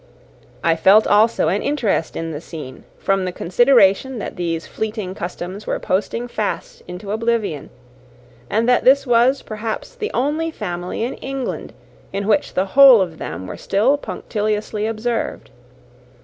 I felt also an interest in the scene, from the consideration that these fleeting customs were posting fast into oblivion, and that this was, perhaps, the only family in England in which the whole of them were still punctiliously observed.